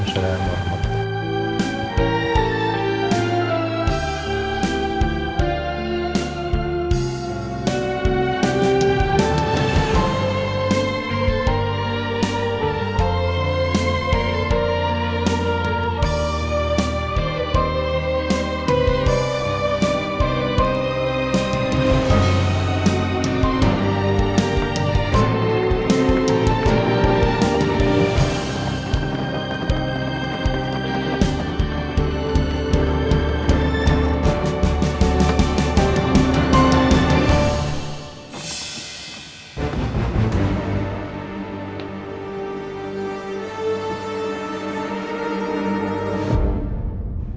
assalamualaikum warahmatullahi wabarakatuh